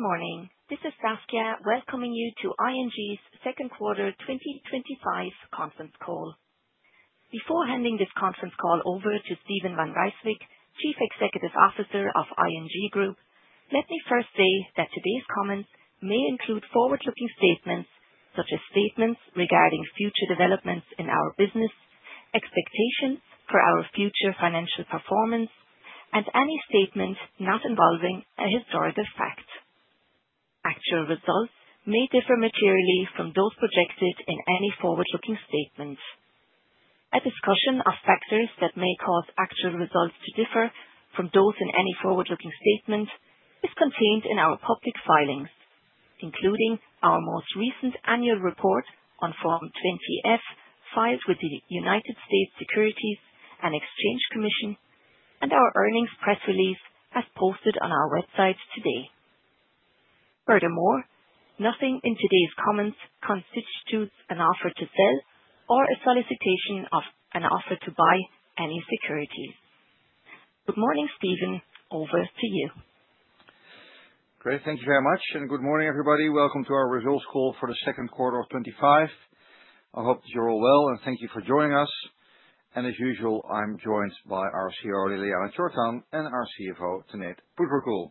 Good morning. This is Saskia welcoming you to ING's second quarter 2025 conference call. Before handing this conference call over to Steven van Rijswijk, Chief Executive Officer of ING, let me first say that today's comments may include forward-looking statements such as statements regarding future developments in our business, expectations for our future financial performance, and any statement not involving a historical fact. Actual results may differ materially from those projected in any forward-looking statement. A discussion of factors that may cause actual results to differ from those in any forward-looking statement is contained in our public filings, including our most recent annual report on Form 20-F filed with the United States Securities and Exchange Commission and our earnings press release as posted on our website today. Furthermore, nothing in today's comments constitutes an offer to sell or a solicitation of an offer to buy any securities. Good morning, Steven. Over to you. Great. Thank you very much. Good morning, everybody. Welcome to our results call for the second quarter of 2025. I hope that you're all well, and thank you for joining us. As usual, I'm joined by our CRO, Ljiljana Čortan, and our CFO, Tanate Phutrakul.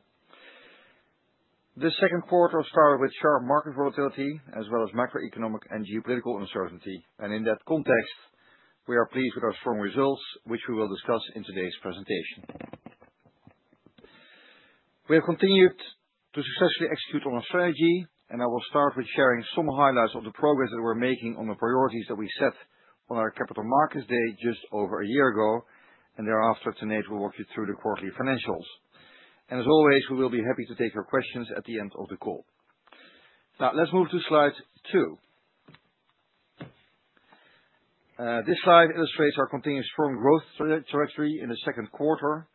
This second quarter started with sharp market volatility as well as macroeconomic and geopolitical uncertainty. In that context, we are pleased with our strong results, which we will discuss in today's presentation. We have continued to successfully execute on our strategy. I will start with sharing some highlights of the progress that we're making on the priorities that we set on our Capital Markets Day just over a year ago. Thereafter, Tanate will walk you through the quarterly financials. As always, we will be happy to take your questions at the end of the call. Now, let's move to slide two. This slide illustrates our continued strong growth trajectory in the second quarter.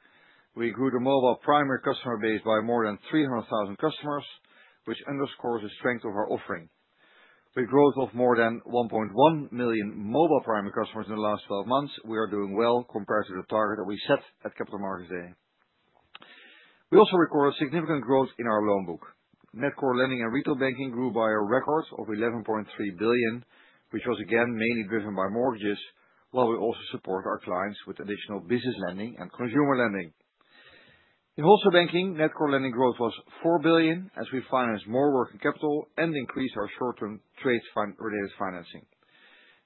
We grew the mobile primary customer base by more than 300,000 customers, which underscores the strength of our offering. With growth of more than 1.1 million mobile primary customers in the last 12 months, we are doing well compared to the target that we set at Capital Markets Day. We also recorded significant growth in our loan book. Net core lending in retail banking grew by a record of €11.3 billion, which was again mainly driven by mortgages, while we also support our clients with additional business lending and consumer lending. In wholesale banking, net core lending growth was 4 billion as we financed more working capital and increased our short-term trade-related financing.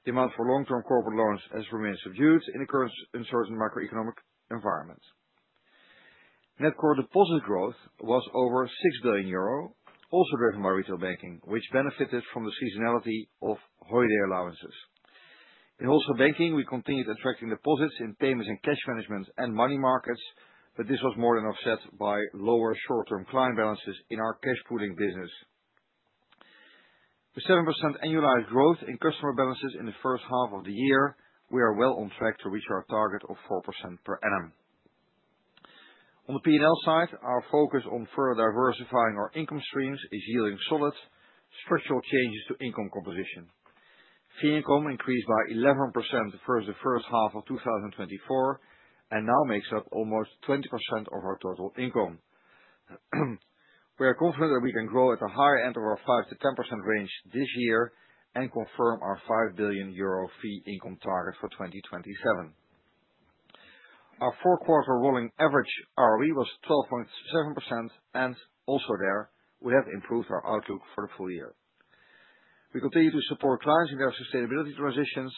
The amount for long-term corporate loans has remained subdued in the current uncertain macroeconomic environment. Net core deposit growth was over GBP 6 billion, also driven by retail banking, which benefited from the seasonality of holiday allowances. In wholesale banking, we continued attracting deposits in payments and cash management and money markets, but this was more than offset by lower short-term client balances in our cash pooling business. With 7% annualized growth in customer balances in the first half of the year, we are well on track to reach our target of 4% per annum. On the P&L side, our focus on further diversifying our income streams is yielding solid, structural changes to income composition. Fee income increased by 11% versus the first half of 2024 and now makes up almost 20% of our total income. We are confident that we can grow at the higher end of our 5%-10% range this year and confirm our GBP 5 billion fee income target for 2027. Our four-quarter rolling average ROE was 12.7%, and also there, we have improved our outlook for the full year. We continue to support clients in their sustainability transitions,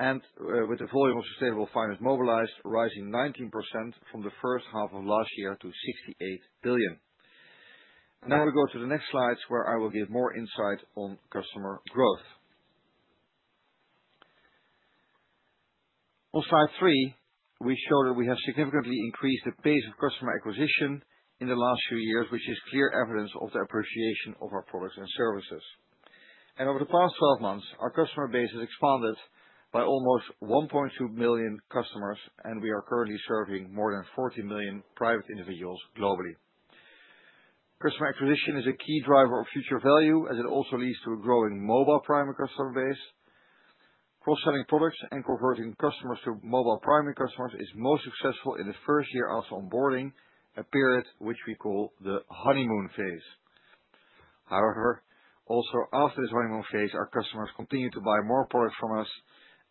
and with the volume of sustainable finance mobilized, rising 19% from the first half of last year to 68 billion. Now we go to the next slides, where I will give more insight on customer growth. On slide three, we show that we have significantly increased the pace of customer acquisition in the last few years, which is clear evidence of the appreciation of our products and services. Over the past 12 months, our customer base has expanded by almost 1.2 million customers, and we are currently serving more than 40 million private individuals globally. Customer acquisition is a key driver of future value, as it also leads to a growing mobile primary customer base. Cross-selling products and converting customers to mobile primary customers is most successful in the first year after onboarding, a period which we call the honeymoon phase. However, also after this honeymoon phase, our customers continue to buy more products from us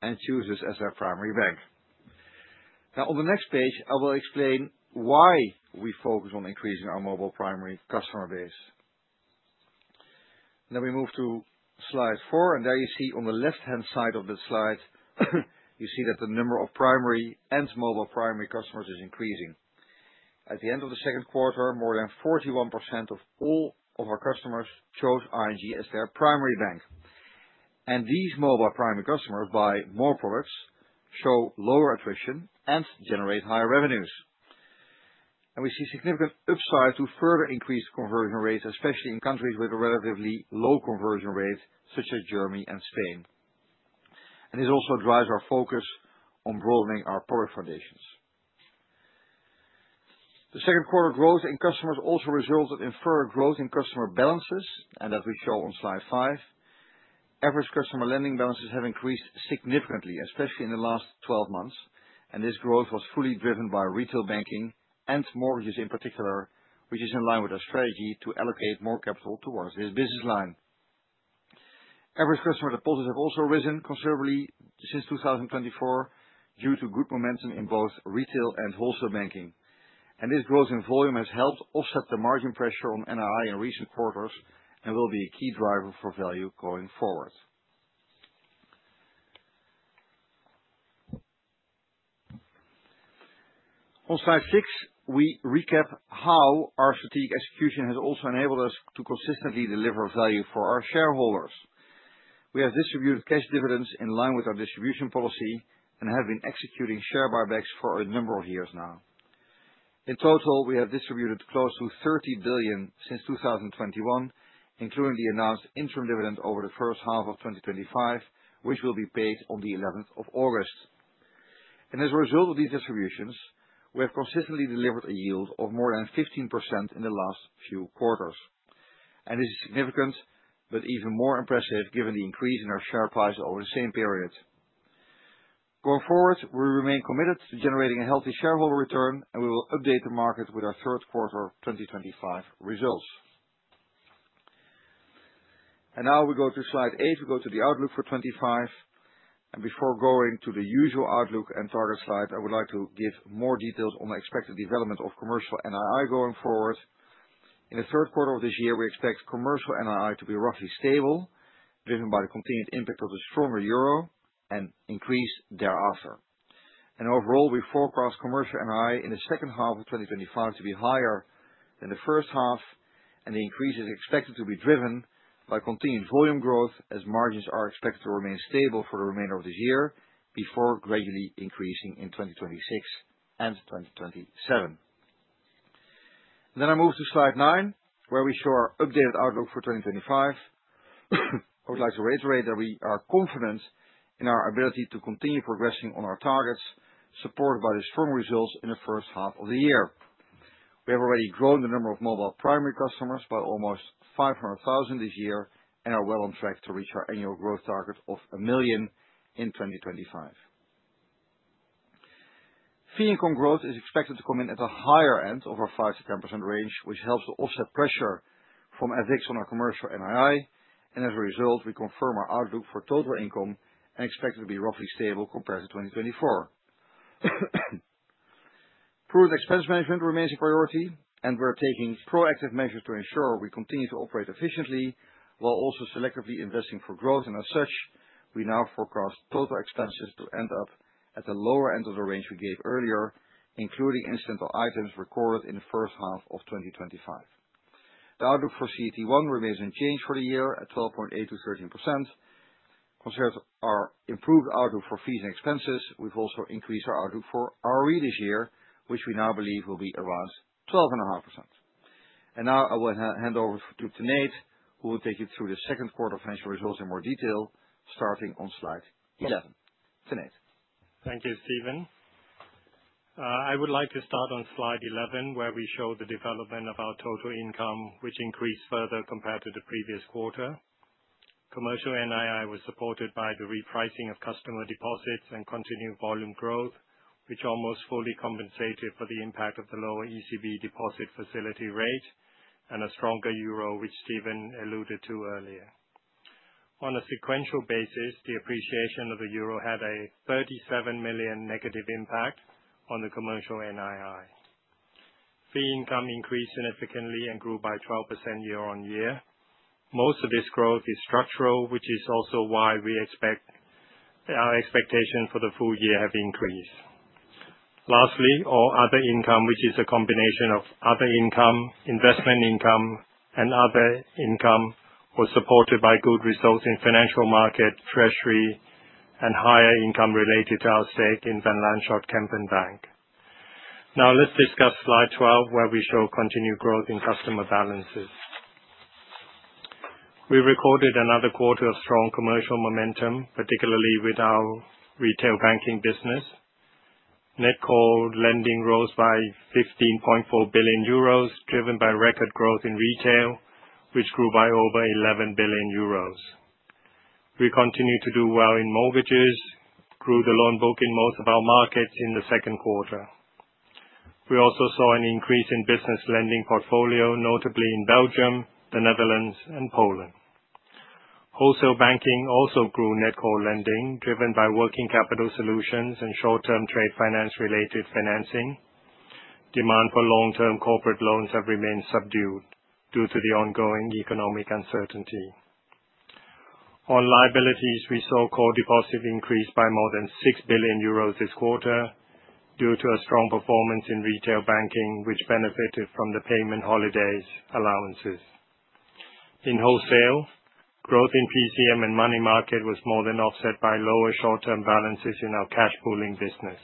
and choose us as their primary bank. On the next page, I will explain why we focus on increasing our mobile primary customer base. Now we move to slide four, and there you see on the left-hand side of the slide, you see that the number of primary and mobile primary customers is increasing. At the end of the second quarter, more than 41% of all of our customers chose ING as their primary bank. These mobile primary customers buy more products, show lower attrition, and generate higher revenues. We see significant upside to further increase conversion rates, especially in countries with a relatively low conversion rate such as Germany and Spain. This also drives our focus on broadening our product foundations. The second quarter growth in customers also resulted in further growth in customer balances, and as we show on slide five, average customer lending balances have increased significantly, especially in the last 12 months. This growth was fully driven by retail banking and mortgages in particular, which is in line with our strategy to allocate more capital towards this business line. Average customer deposits have also risen considerably since 2024 due to good momentum in both retail and wholesale banking. This growth in volume has helped offset the margin pressure on NRI in recent quarters and will be a key driver for value going forward. On slide six, we recap how our strategic execution has also enabled us to consistently deliver value for our shareholders. We have distributed cash dividends in line with our distribution policy and have been executing share buybacks for a number of years now. In total, we have distributed close to 30 billion since 2021, including the announced interim dividend over the first half of 2025, which will be paid on the 11th of August. As a result of these distributions, we have consistently delivered a yield of more than 15% in the last few quarters. This is significant, but even more impressive given the increase in our share price over the same period. Going forward, we remain committed to generating a healthy shareholder return, and we will update the market with our third quarter 2025 results. Now we go to slide eight. We go to the outlook for 2025. Before going to the usual outlook and target slide, I would like to give more details on the expected development of commercial NII going forward. In the third quarter of this year, we expect commercial NII to be roughly stable, driven by the continued impact of the stronger euro and increase thereafter. Overall, we forecast commercial NII in the second half of 2025 to be higher than the first half, and the increase is expected to be driven by continued volume growth as margins are expected to remain stable for the remainder of this year before gradually increasing in 2026 and 2027. I move to slide nine, where we show our updated outlook for 2025. I would like to reiterate that we are confident in our ability to continue progressing on our targets, supported by the strong results in the first half of the year. We have already grown the number of mobile primary customers by almost 500,000 this year and are well on track to reach our annual growth target of a million in 2025. Fee income growth is expected to come in at the higher end of our 5%-10% range, which helps to offset pressure from FX on our commercial NII. As a result, we confirm our outlook for total income and expect it to be roughly stable compared to 2024. Proven expense management remains a priority, and we're taking proactive measures to ensure we continue to operate efficiently while also selectively investing for growth. As such, we now forecast total expenses to end up at the lower end of the range we gave earlier, including incidental items recorded in the first half of 2025. The outlook for CET1 ratio remains unchanged for the year at 12.8%-13%. Considering our improved outlook for fees and expenses, we've also increased our outlook for ROE this year, which we now believe will be around 12.5%. I will hand over to Tanate, who will take you through the second quarter financial results in more detail, starting on slide 11. Tanate. Thank you, Steven. I would like to start on slide 11, where we show the development of our total income, which increased further compared to the previous quarter. Commercial NII was supported by the repricing of customer deposits and continued volume growth, which almost fully compensated for the impact of the lower ECB deposit facility rate and a stronger euro, which Steven alluded to earlier. On a sequential basis, the appreciation of the euro had a 37 million negative impact on the commercial NII. Fee income increased significantly and grew by 12% year on year. Most of this growth is structural, which is also why we expect our expectations for the full year have increased. Lastly, our other income, which is a combination of other income, investment income, and other income, was supported by good results in financial markets, treasury, and higher income related to our stake in Van Lanschott Kempen Bank. Now let's discuss slide 12, where we show continued growth in customer balances. We recorded another quarter of strong commercial momentum, particularly with our retail banking business. Net core lending rose by GBP 15.4 billion, driven by record growth in retail, which grew by over GBP 11 billion. We continued to do well in mortgages, grew the loan book in most of our markets in the second quarter. We also saw an increase in business lending portfolio, notably in Belgium, the Netherlands, and Poland. Wholesale banking also grew net core lending, driven by working capital solutions and short-term trade finance-related financing. Demand for long-term corporate loans has remained subdued due to the ongoing economic uncertainty. On liabilities, we saw core deposits increase by more than GBP 6 billion this quarter due to a strong performance in retail banking, which benefited from the payment holidays allowances. In wholesale, growth in PCM and money market was more than offset by lower short-term balances in our cash pooling business.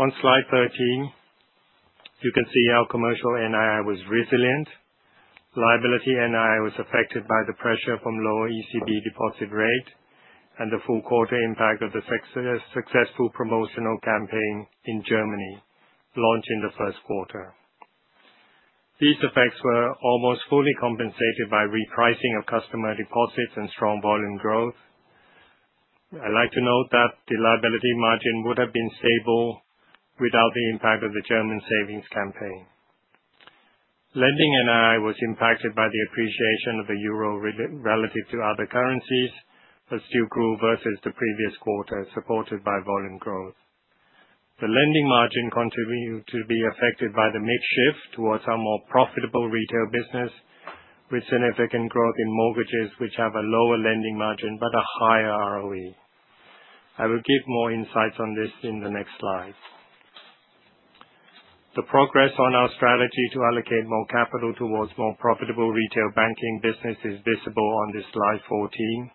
On slide 13, you can see how commercial NII was resilient. Liability NII was affected by the pressure from lower ECB deposit rate and the full quarter impact of the successful promotional campaign in Germany launched in the first quarter. These effects were almost fully compensated by repricing of customer deposits and strong volume growth. I'd like to note that the liability margin would have been stable without the impact of the German savings campaign. Lending NII was impacted by the appreciation of the euro relative to other currencies, but still grew versus the previous quarter, supported by volume growth. The lending margin continued to be affected by the mix shift towards a more profitable retail business, with significant growth in mortgages, which have a lower lending margin but a higher ROE. I will give more insights on this in the next slide. The progress on our strategy to allocate more capital towards more profitable retail banking business is visible on this slide 14.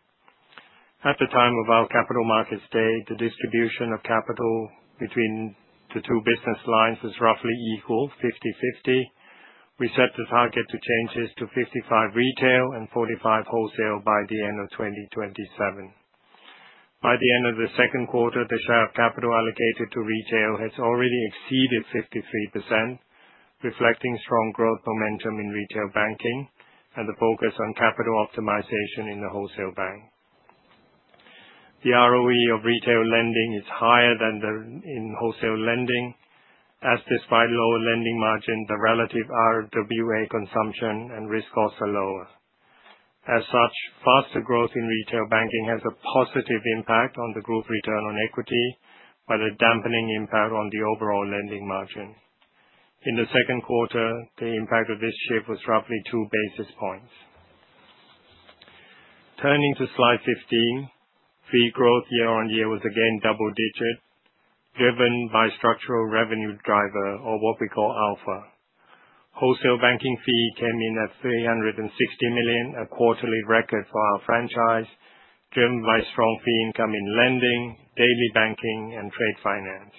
At the time of our capital markets day, the distribution of capital between the two business lines is roughly equal, 50/50. We set the target to change this to 55 retail and 45 wholesale by the end of 2027. By the end of the second quarter, the share of capital allocated to retail has already exceeded 53%, reflecting strong growth momentum in retail banking and the focus on capital optimization in the wholesale bank. The ROE of retail lending is higher than in wholesale lending, as despite lower lending margin, the relative RWA consumption and risk costs are lower. As such, faster growth in retail banking has a positive impact on the group return on equity by the dampening impact on the overall lending margin. In the second quarter, the impact of this shift was roughly two basis points. Turning to slide 15. Fee growth year on year was again double-digit, driven by structural revenue driver, or what we call alpha. Wholesale banking fee came in at 360 million, a quarterly record for our franchise, driven by strong fee income in lending, daily banking, and trade finance.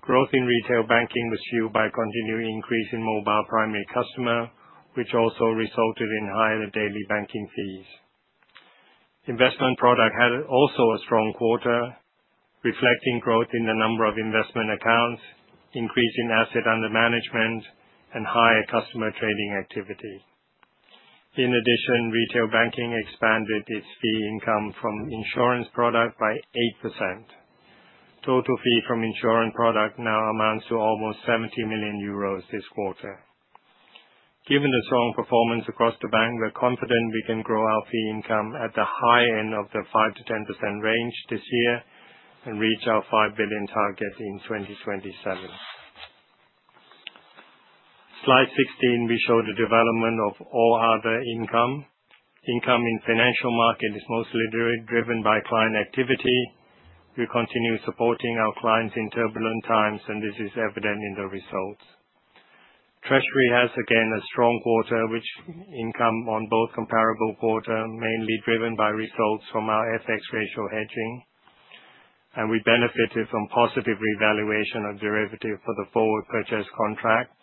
Growth in retail banking was fueled by a continued increase in mobile primary customer, which also resulted in higher daily banking fees. Investment products had also a strong quarter, reflecting growth in the number of investment accounts, increase in assets under management, and higher customer trading activity. In addition, retail banking expanded its fee income from insurance products by 8%. Total fee from insurance products now amounts to almost GBP 70 million this quarter. Given the strong performance across the bank, we're confident we can grow our fee income at the high end of the 5%-10% range this year and reach our 5 billion target in 2027. Slide 16, we show the development of all other income. Income in financial markets is mostly driven by client activity. We continue supporting our clients in turbulent times, and this is evident in the results. Treasury has again a strong quarter, with income on both comparable quarter, mainly driven by results from our FX ratio hedging. We benefited from positive revaluation of derivatives for the forward purchase contract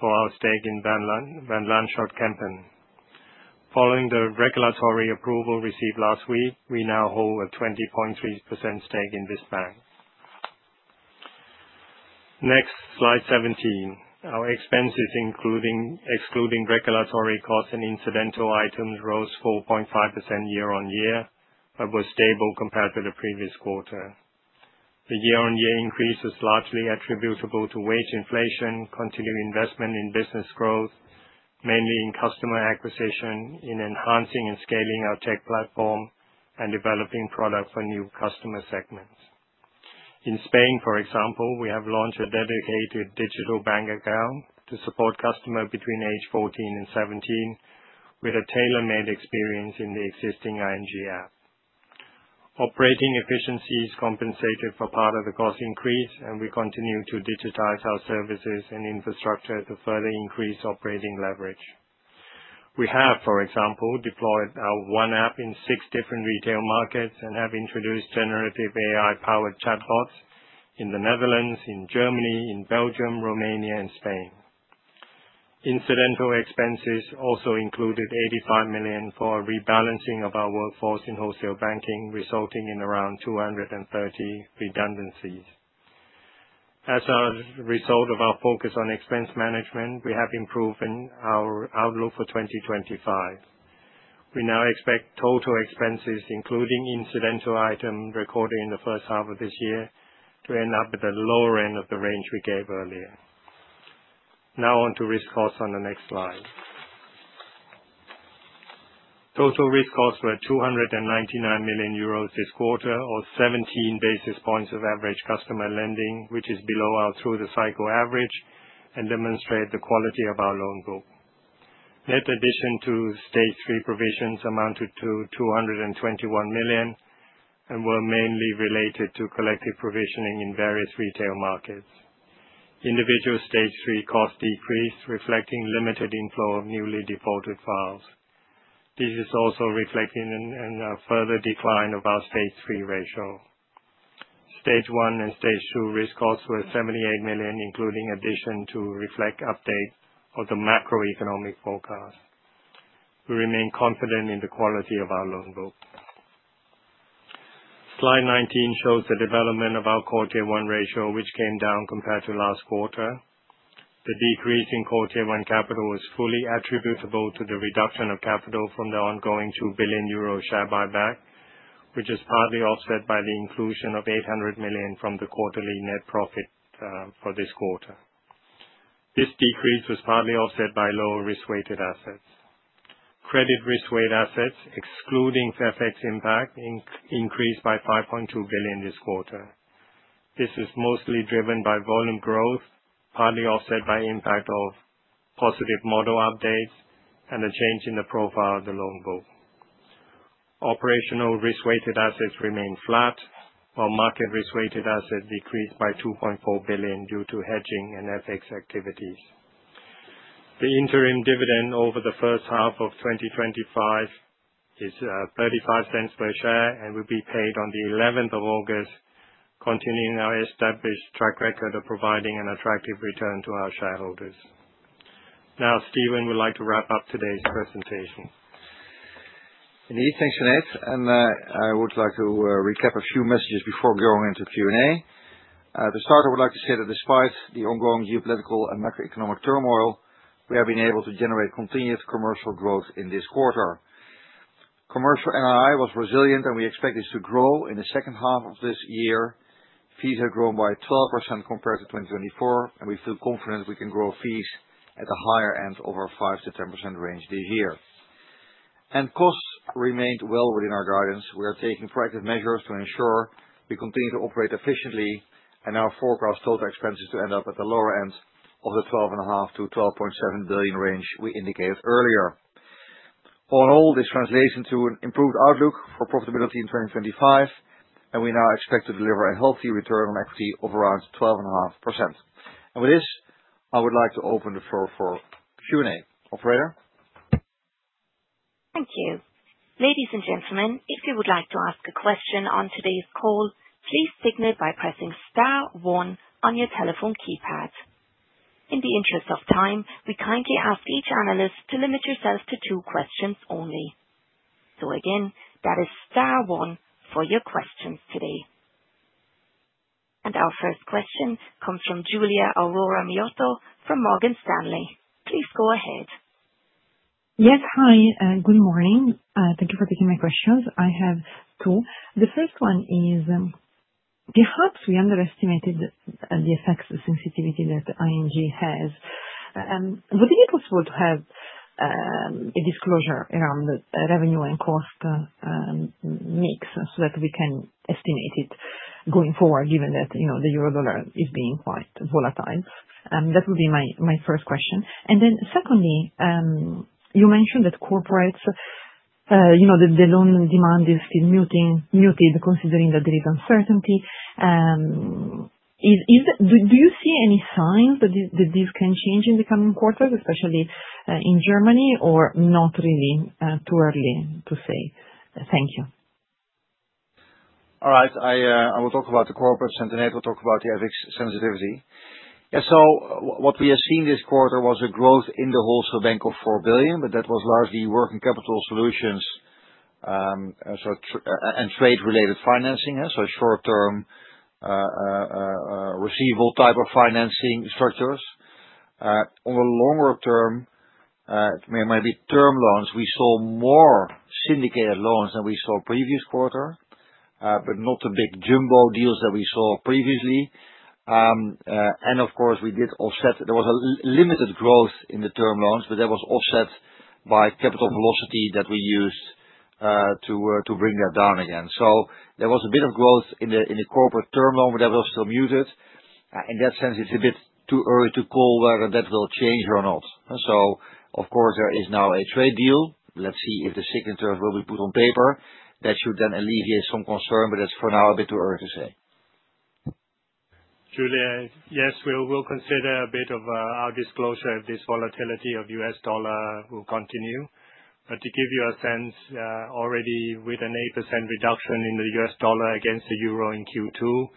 for our stake in Van Lanschott Kempen. Following the regulatory approval received last week, we now hold a 20.3% stake in this bank. Next, slide 17. Our expenses, excluding regulatory costs and incidental items, rose 4.5% year on year, but were stable compared to the previous quarter. The year-on-year increase was largely attributable to wage inflation, continued investment in business growth, mainly in customer acquisition, in enhancing and scaling our tech platform, and developing product for new customer segments. In Spain, for example, we have launched a dedicated digital bank account to support customers between age 14 and 17 with a tailor-made experience in the existing ING app. Operating efficiencies compensated for part of the cost increase, and we continue to digitize our services and infrastructure to further increase operating leverage. We have, for example, deployed our one app in six different retail markets and have introduced generative AI-powered chatbots in the Netherlands, in Germany, in Belgium, Romania, and Spain. Incidental expenses also included 85 million for rebalancing of our workforce in wholesale banking, resulting in around 230 redundancies. As a result of our focus on expense management, we have improved our outlook for 2025. We now expect total expenses, including incidental items recorded in the first half of this year, to end up at the lower end of the range we gave earlier. Now on to risk costs on the next slide. Total risk costs were GBP 299 million this quarter, or 17 basis points of average customer lending, which is below our through-the-cycle average and demonstrated the quality of our loan book. Net addition to stage three provisions amounted to 221 million and were mainly related to collective provisioning in various retail markets. Individual stage three costs decreased, reflecting limited inflow of newly defaulted files. This is also reflecting a further decline of our stage three ratio. Stage one and stage two risk costs were 78 million, including addition to reflect update of the macroeconomic forecast. We remain confident in the quality of our loan book. Slide 19 shows the development of our quarter-to-one ratio, which came down compared to last quarter. The decrease in quarter-to-one capital was fully attributable to the reduction of capital from the ongoing €2 billion share buyback, which is partly offset by the inclusion of €800 million from the quarterly net profit for this quarter. This decrease was partly offset by lower risk-weighted assets. Credit risk-weighted assets, excluding FX impact, increased by 5.2 billion this quarter. This is mostly driven by volume growth, partly offset by impact of positive model updates and a change in the profile of the loan book. Operational risk-weighted assets remained flat, while market risk-weighted assets decreased by GBP 2.4 billion due to hedging and FX activities. The interim dividend over the first half of 2025 is 0.35 per share and will be paid on the 11th of August, continuing our established track record of providing an attractive return to our shareholders. Now, Steven would like to wrap up today's presentation. In refence to that, I would like to recap a few messages before going into Q&A. To start, I would like to say that despite the ongoing geopolitical and macroeconomic turmoil, we have been able to generate continued commercial growth in this quarter. Commercial NII was resilient, and we expect this to grow in the second half of this year. Fees have grown by 12% compared to 2024, and we feel confident we can grow fees at the higher end of our 5%-10% range this year. Costs remained well within our guidance. We are taking proactive measures to ensure we continue to operate efficiently, and our forecast total expenses to end up at the lower end of the 12.5 billion-12.7 billion range we indicated earlier. All in all, this translates into an improved outlook for profitability in 2025. We now expect to deliver a healthy return on equity of around 12.5%. With this, I would like to open the floor for Q&A. Operator. Thank you. Ladies and gentlemen, if you would like to ask a question on today's call, please signal by pressing star one on your telephone keypad. In the interest of time, we kindly ask each analyst to limit yourself to two questions only. That is star one for your questions today. Our first question comes from Giulia Miotto from Morgan Stanley. Please go ahead. Yes, hi. Good morning. Thank you for taking my questions. I have two. The first one is, perhaps we underestimated the effects of sensitivity that ING has. Would it be possible to have a disclosure around the revenue and cost mix so that we can estimate it going forward, given that the euro dollar is being quite volatile? That would be my first question. Secondly, you mentioned that corporates, the loan demand is still muted, considering that there is uncertainty. Do you see any signs that this can change in the coming quarters, especially in Germany, or not really too early to say? Thank you. All right. I will talk about the corporates, and Tanate will talk about the FX sensitivity. What we have seen this quarter was a growth in the wholesale bank of 4 billion, but that was largely working capital solutions and trade-related financing, so short-term receivable type of financing structures. On the longer term, it may be term loans. We saw more syndicated loans than we saw previous quarter, but not the big jumbo deals that we saw previously. Of course, we did offset; there was a limited growth in the term loans, but that was offset by capital velocity that we used to bring that down again. There was a bit of growth in the corporate term loan, but that was still muted. In that sense, it's a bit too early to call whether that will change or not. There is now a trade deal. Let's see if the signatures will be put on paper. That should then alleviate some concern, but that's for now a bit too early to say. Julia, yes, we will consider a bit of our disclosure if this volatility of U.S. dollar will continue. To give you a sense, already with an 8% reduction in the U.S. dollar against the euro in Q2,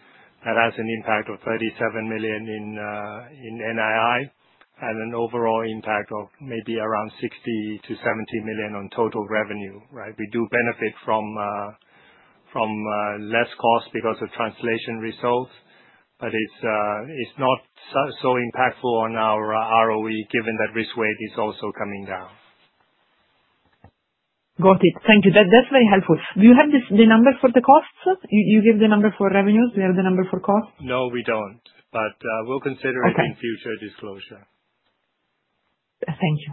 that has an impact of 37 million in NII and an overall impact of maybe around 60-70 million on total revenue, right? We do benefit from less cost because of translation results, but it's not so impactful on our ROE, given that risk weight is also coming down. Got it. Thank you. That's very helpful. Do you have the number for the costs? You give the number for revenues. Do you have the number for costs? No, we don't. We'll consider it in future disclosure. Thank you.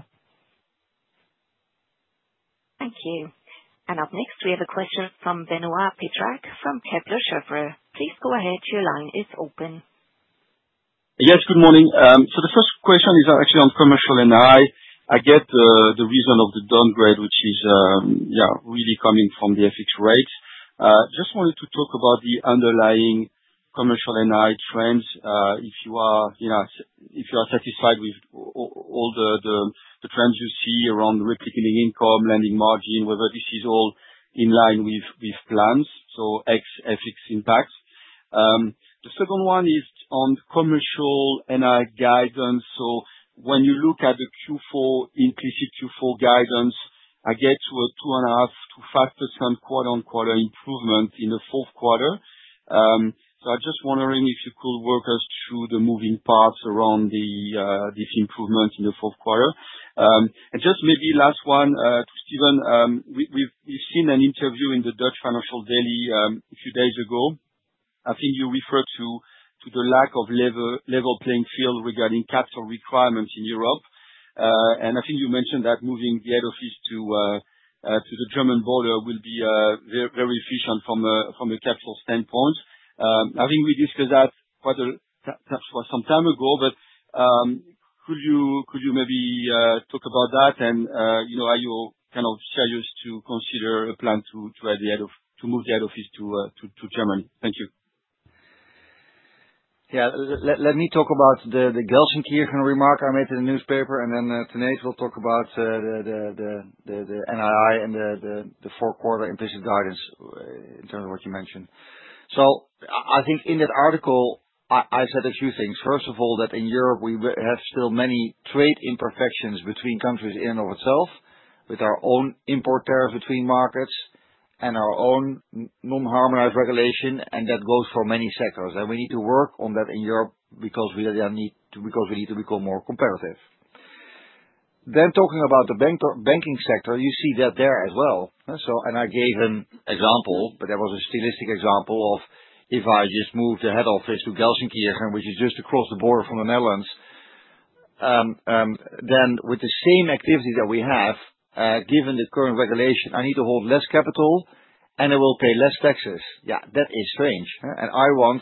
Thank you. Up next, we have a question from Benoit Petrarque from Kepler Cheuvreux. Please go ahead. Your line is open. Yes, good morning. The first question is actually on commercial NII. I get the reason of the downgrade, which is really coming from the FX rates. I just wanted to talk about the underlying commercial NII trends. If you are satisfied with all the trends you see around replicating income, lending margin, whether this is all in line with plans, so ex-FX impact. The second one is on commercial NII guidance. When you look at the Q4, implicit Q4 guidance, I get to a 2.5%-5% "improvement" in the fourth quarter. I'm just wondering if you could walk us through the moving parts around this improvement in the fourth quarter. Maybe last one to Steven. We've seen an interview in the Dutch Financial Daily a few days ago. I think you referred to the lack of level playing field regarding capital requirements in Europe. I think you mentioned that moving the head office to the German border will be very efficient from a capital standpoint. I think we discussed that perhaps some time ago. Could you maybe talk about that and are you kind of serious to consider a plan to move the head office to Germany? Thank you. Yeah, let me talk about the Gelsenkirchen remark I made in the newspaper, and then Tanate will talk about the NII and the fourth quarter implicit guidance in terms of what you mentioned. I think in that article, I said a few things. First of all, that in Europe, we have still many trade imperfections between countries in and of itself, with our own import tariffs between markets and our own non-harmonized regulation, and that goes for many sectors. We need to work on that in Europe because we need to become more comparative. Talking about the banking sector, you see that there as well. I gave an example, but that was a stylistic example of if I just moved the head office to Gelsenkirchen, which is just across the border from the Netherlands. With the same activity that we have, given the current regulation, I need to hold less capital, and I will pay less taxes. Yeah, that is strange. I want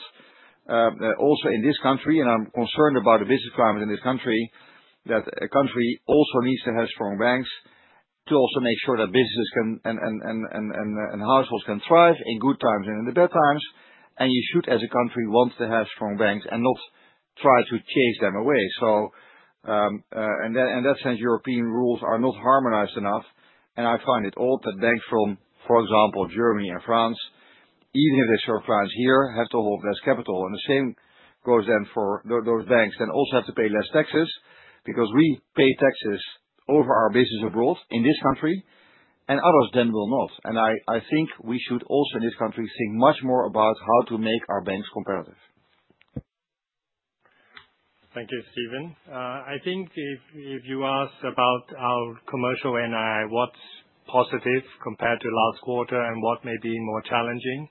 also in this country, and I'm concerned about the business climate in this country, that a country also needs to have strong banks to also make sure that businesses and households can thrive in good times and in the bad times. You should, as a country, want to have strong banks and not try to chase them away. In that sense, European rules are not harmonized enough. I find it odd that banks from, for example, Germany and France, even if they serve clients here, have to hold less capital. The same goes then for those banks that also have to pay less taxes because we pay taxes over our business abroad in this country, and others then will not. I think we should also, in this country, think much more about how to make our banks comparative. Thank you, Steven. I think if you ask about our commercial NII, what's positive compared to last quarter and what may be more challenging,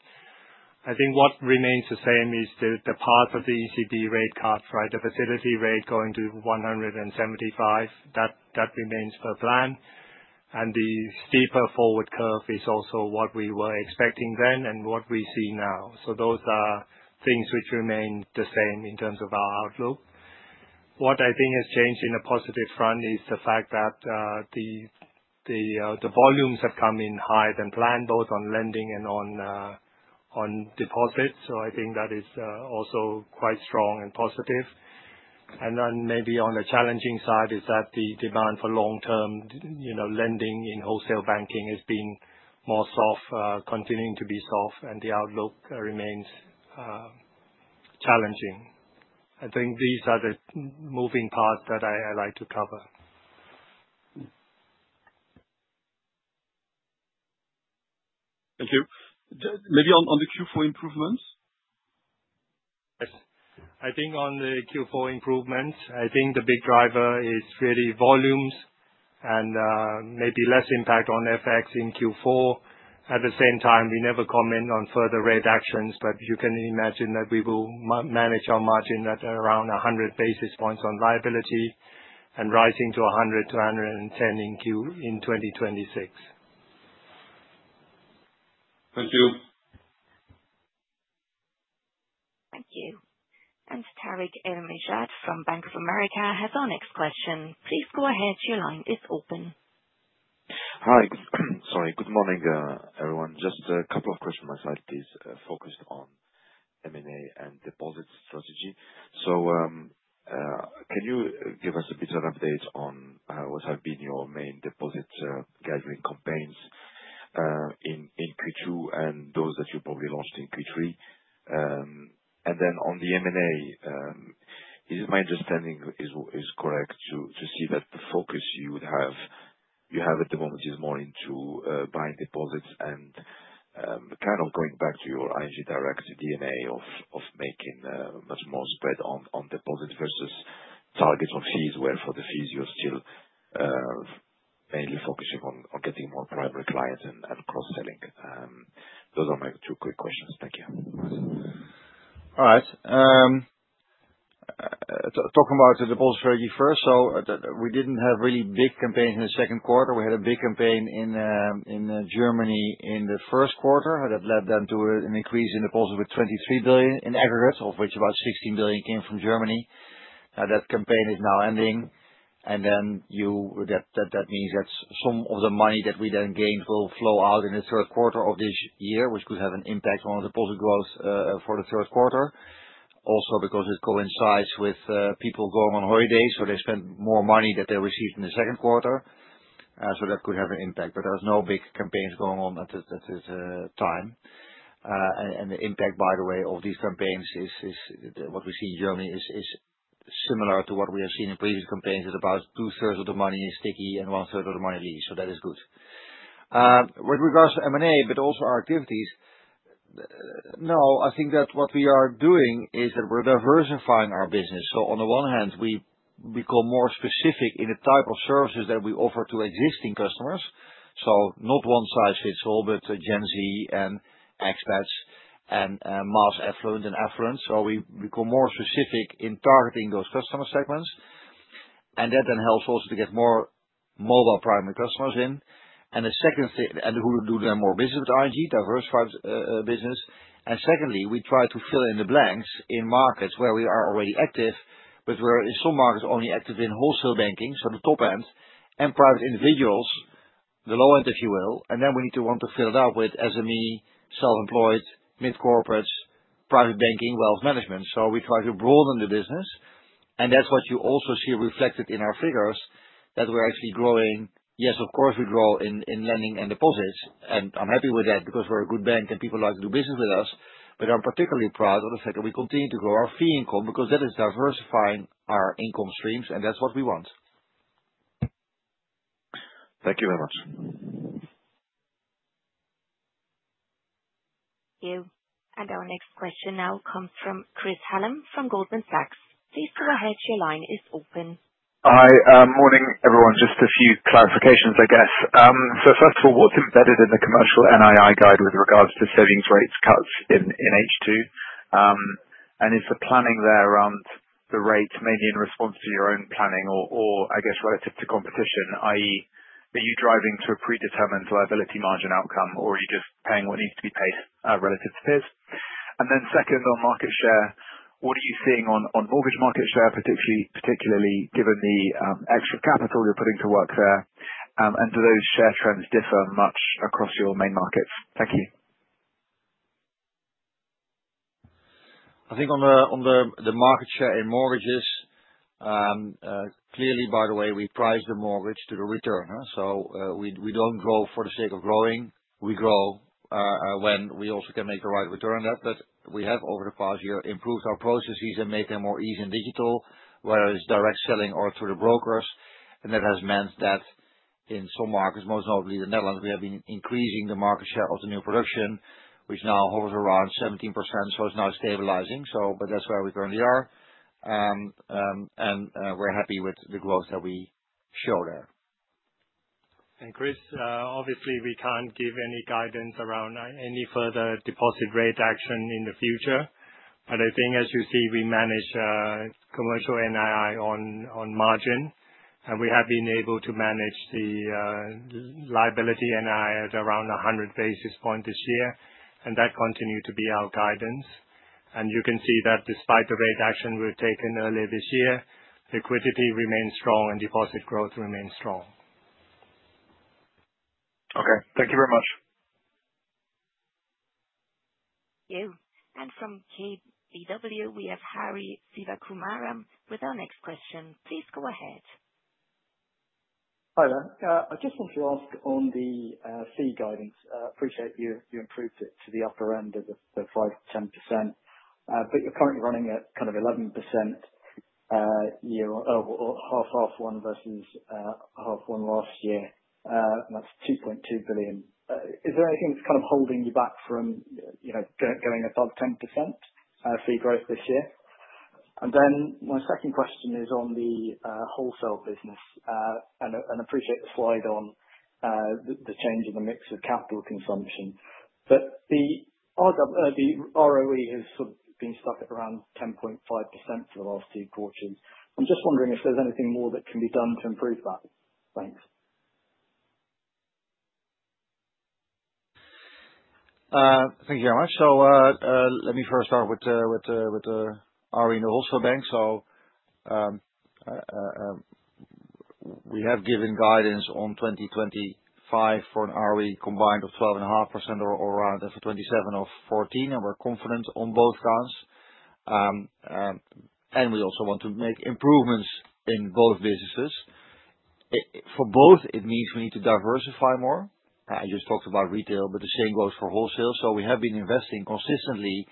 I think what remains the same is the path of the ECB rate cut, right? The facility rate going to 1.75%, that remains per plan. The steeper forward curve is also what we were expecting then and what we see now. Those are things which remain the same in terms of our outlook. What I think has changed on a positive front is the fact that the volumes have come in higher than planned, both on lending and on deposits. I think that is also quite strong and positive. Maybe on the challenging side is that the demand for long-term lending in wholesale banking has been more soft, continuing to be soft, and the outlook remains challenging. I think these are the moving parts that I like to cover. Thank you. Maybe on the Q4 improvements? Yes. I think on the Q4 improvements, the big driver is really volumes and maybe less impact on FX in Q4. At the same time, we never comment on further rate actions, but you can imagine that we will manage our margin at around 100 basis points on liability and rising to 100-110 in Q in 2026. Thank you. Thank you. Tarik El Mejjad from Bank of America has our next question. Please go ahead. Your line is open. Hi. Good morning, everyone. Just a couple of questions on my side, please, focused on M&A and deposit strategy. Can you give us a bit of an update on what have been your main deposit gathering campaigns in Q2 and those that you probably launched in Q3? On the M&A, is my understanding correct to see that the focus you have at the moment is more into buying deposits and kind of going back to your ING Direct DNA of making much more spread on deposits versus targets of fees, where for the fees you're still mainly focusing on getting more primary clients and cross-selling? Those are my two quick questions. Thank you. All right. Talking about the deposit strategy first, we didn't have really big campaigns in the second quarter. We had a big campaign in Germany in the first quarter that led to an increase in deposits with 23 billion in aggregate, of which about 16 billion came from Germany. That campaign is now ending. That means that some of the money that we gained will flow out in the third quarter of this year, which could have an impact on the deposit growth for the third quarter. Also, it coincides with people going on holidays, so they spent more money that they received in the second quarter. That could have an impact. There were no big campaigns going on at the time. The impact, by the way, of these campaigns is what we see in Germany is similar to what we have seen in previous campaigns, that about two-thirds of the money is sticky and one-third of the money leaves. That is good. With regards to M&A, but also our activities, I think that what we are doing is diversifying our business. On the one hand, we become more specific in the type of services that we offer to existing customers. Not one-size-fits-all, but Gen Z and expats and mass affluent and affluent. We become more specific in targeting those customer segments. That then helps also to get more mobile primary customers in, who do more business with ING, diversified business. Secondly, we try to fill in the blanks in markets where we are already active, but we're in some markets only active in wholesale banking, so the top end, and private individuals, the low end, if you will. We need to fill it out with SME, self-employed, mid-corporates, private banking, wealth management. We try to broaden the business. That's what you also see reflected in our figures, that we're actually growing. Yes, of course, we grow in lending and deposits. I'm happy with that because we're a good bank and people like to do business with us. I'm particularly proud of the fact that we continue to grow our fee income because that is diversifying our income streams, and that's what we want. Thank you very much. Thank you. Our next question now comes from Chris Hallam from Goldman Sachs. Please go ahead. Your line is open. Hi. Morning, everyone. Just a few clarifications, I guess. First of all, what's embedded in the commercial NII guide with regards to savings rates cuts in H2? Is the planning there around the rate, maybe in response to your own planning, or relative to competition, i.e., are you driving to a predetermined liability margin outcome, or are you just paying what needs to be paid relative to peers? Second, on market share, what are you seeing on mortgage market share, particularly given the extra capital you're putting to work there? Do those share trends differ much across your main markets? Thank you. I think on the market share in mortgages, clearly, by the way, we price the mortgage to the return. We don't grow for the sake of growing. We grow when we also can make the right return. Over the past year, we have improved our processes and made them more easy and digital, whether it's direct selling or through the brokers. That has meant that in some markets, most notably the Netherlands, we have been increasing the market share of the new production, which now holds around 17%, so it's now stabilizing. That's where we currently are, and we're happy with the growth that we show there. Chris, obviously, we can't give any guidance around any further deposit rate action in the future. I think, as you see, we manage commercial NII on margin, and we have been able to manage the liability NII at around 100 basis points this year. That continued to be our guidance, and you can see that despite the rate action we've taken earlier this year, liquidity remains strong and deposit growth remains strong. Okay, thank you very much. Thank you. From KBW, we have [Harry] with our next question. Please go ahead. Hi there. I just wanted to ask on the fee guidance. Appreciate you improved it to the upper end of the 5% to 10%. But you're currently running at kind of 11%. Half-half one versus half-one last year. That's $2.2 billion. Is there anything that's kind of holding you back from going above 10% fee growth this year? My second question is on the wholesale business. I appreciate the slide on the change in the mix of capital consumption. The ROE has sort of been stuck at around 10.5% for the last two quarters. I'm just wondering if there's anything more that can be done to improve that. Thanks. Thank you very much. Let me first start with the ROE in the wholesale bank. We have given guidance on 2025 for an ROE combined of 12.5% or around 2027 of 14%, and we're confident on both counts. We also want to make improvements in both businesses. For both, it means we need to diversify more. I just talked about retail, but the same goes for wholesale. We have been investing consistently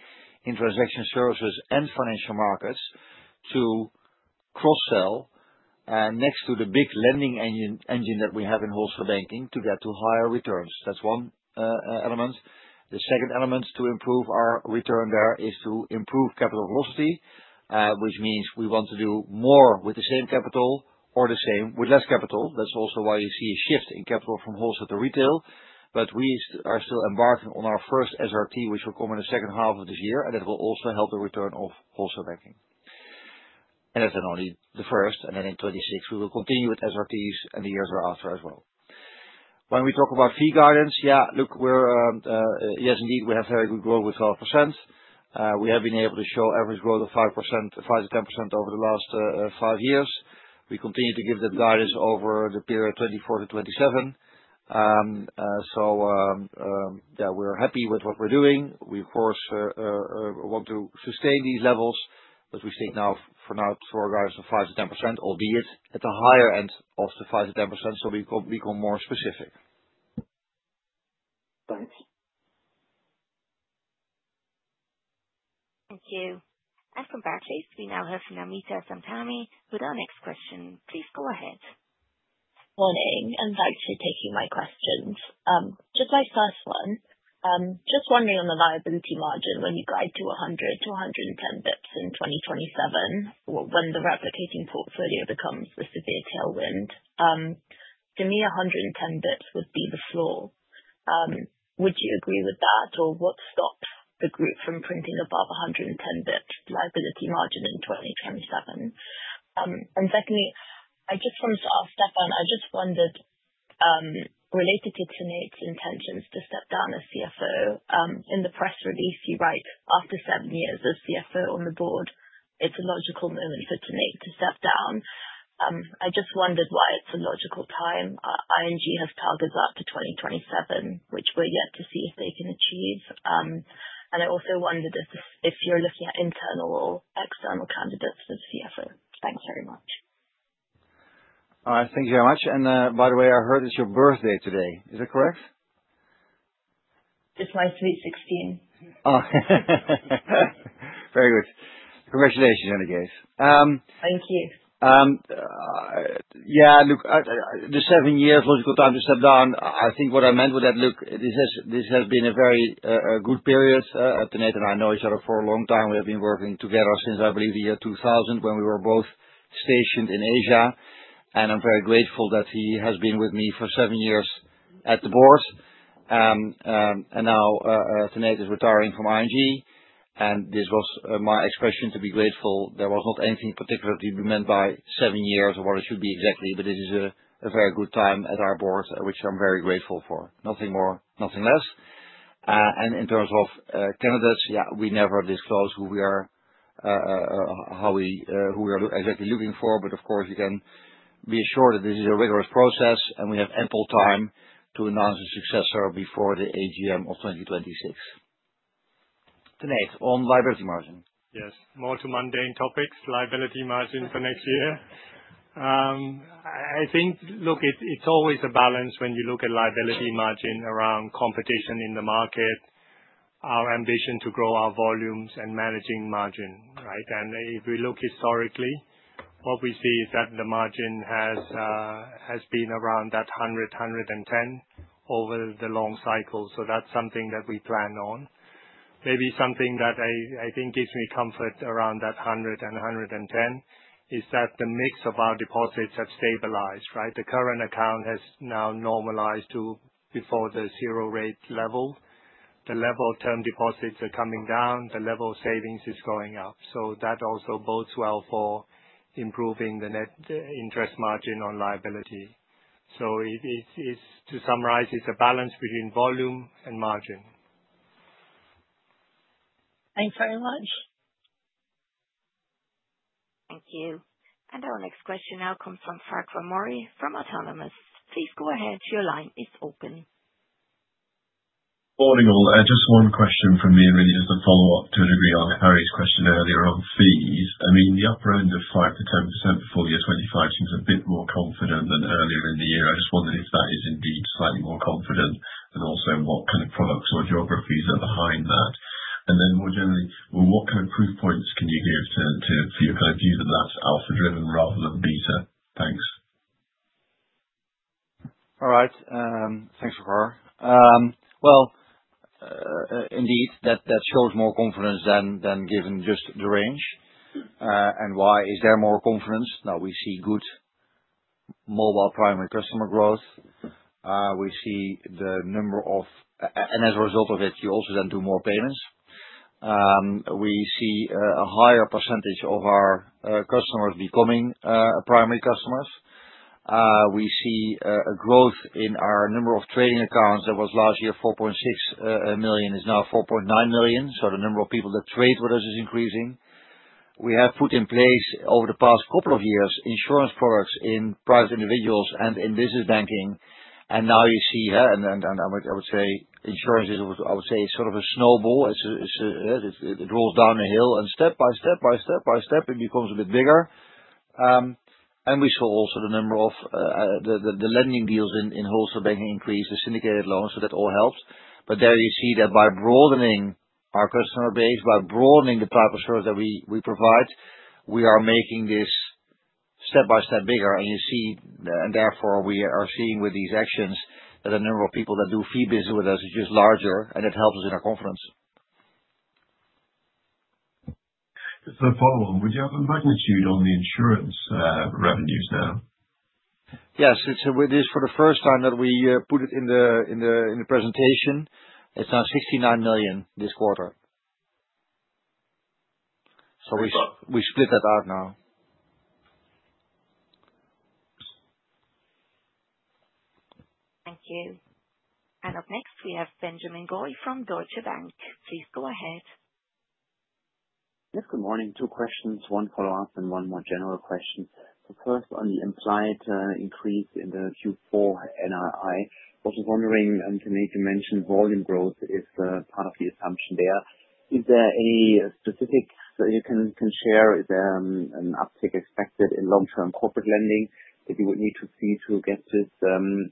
in transaction services and financial markets to cross-sell next to the big lending engine that we have in wholesale banking to get to higher returns. That's one element. The second element to improve our return there is to improve capital velocity, which means we want to do more with the same capital or with less capital. That's also why you see a shift in capital from wholesale to retail. We are still embarking on our first SRT, which will come in the second half of this year, and that will also help the return of wholesale banking. That's not only the first. In 2026, we will continue with SRTs and the years thereafter as well. When we talk about fee guidance, yes, indeed, we have very good growth with 12%. We have been able to show average growth of 5%-10% over the last five years. We continue to give that guidance over the period 2024-2027. We are happy with what we're doing. We, of course, want to sustain these levels, but we state now for our guidance of 5%-10%, albeit at the higher end of the 5%-10%, so we become more specific. Thanks. Thank you. From Barclays, we now have Namita Samtani with our next question. Please go ahead. Morning. Thanks for taking my questions. Just my first one. I'm just wondering on the liability margin when you guide to 100-110 bps in 2027, when the replicating portfolio becomes the severe tailwind. To me, 110 bps would be the floor. Would you agree with that, or what stops the group from printing above 110 bps liability margin in 2027? Secondly, I just wanted to ask Steven, I just wondered. Related to Tanate's intentions to step down as CFO, in the press release, you write, "After seven years as CFO on the board, it's a logical moment for Tanate to step down." I just wondered why it's a logical time. ING has targets up to 2027, which we're yet to see if they can achieve. I also wondered if you're looking at internal or external candidates for CFO. Thanks very much. All right. Thank you very much. By the way, I heard it's your birthday today. Is that correct? It's my sweet 16. Oh, very good. Congratulations in any case. Thank you. Yeah, look, the seven years, logical time to step down. I think what I meant with that, look, this has been a very good period. Tanate and I know each other for a long time. We have been working together since, I believe, the year 2000 when we were both stationed in Asia. I'm very grateful that he has been with me for seven years at the board. Now Tanate is retiring from ING. This was my expression to be grateful. There was not anything particularly meant by seven years or what it should be exactly, but it is a very good time at our board, which I'm very grateful for. Nothing more, nothing less. In terms of candidates, we never disclose who we are, how we are exactly looking for. Of course, you can be assured that this is a rigorous process, and we have ample time to announce a successor before the AGM of 2026. Tanate, on liability margin. Yes. More to mundane topics, liability margin for next year. I think, look, it's always a balance when you look at liability margin around competition in the market. Our ambition to grow our volumes and managing margin, right? If we look historically, what we see is that the margin has been around that 100, 110 over the long cycle. That's something that we plan on. Maybe something that I think gives me comfort around that 100 and 110 is that the mix of our deposits has stabilized, right? The current account has now normalized to before the zero rate level. The level of term deposits is coming down. The level of savings is going up. That also bodes well for improving the net interest margin on liability. To summarize, it's a balance between volume and margin. Thanks very much. Thank you. Our next question now comes from Farquhar Murray from Bernstein Autonomous LLP. Please go ahead. Your line is open. Morning, all. Just one question for me, really, just a follow-up to a degree on Harry's question earlier on fees. I mean, the upper end of 5%-0% before year 2025 seems a bit more confident than earlier in the year. I just wondered if that is indeed slightly more confident, and also what kind of products or geographies are behind that. More generally, what kind of proof points can you give for your kind of view that that's alpha-driven rather than beta? Thanks. All right. Thanks, Farquhar. That shows more confidence than given just the range. Why is there more confidence? We see good mobile primary customer growth. We see the number of, and as a result of it, you also then do more payments. We see a higher % of our customers becoming primary customers. We see a growth in our number of trading accounts. That was last year 4.6 million, it's now 4.9 million. The number of people that trade with us is increasing. We have put in place over the past couple of years insurance products in private individuals and in business banking. Now you see, and I would say insurance is, I would say, sort of a snowball. It rolls down a hill, and step by step by step by step, it becomes a bit bigger. We saw also the number of the lending deals in wholesale banking increase, the syndicated loans, that all helped. There you see that by broadening our customer base, by broadening the type of service that we provide, we are making this step by step bigger. You see, and therefore we are seeing with these actions that the number of people that do fee business with us is just larger, and it helps us in our confidence. Just a follow-up. Would you have a magnitude on the insurance revenues now? Yes, it is for the first time that we put it in the presentation. It's now 69 million this quarter. Good stuff. We split that out now. Thank you. Up next, we have Benjamin Goy from Deutsche Bank. Please go ahead. Yes. Good morning. Two questions, one follow-up, and one more general question. The first, on the implied increase in the Q4 NRI, I was just wondering, Tinek, you mentioned volume growth is part of the assumption there. Is there any specific that you can share? Is there an uptick expected in long-term corporate lending that you would need to see to get this